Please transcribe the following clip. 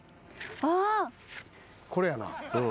これやな。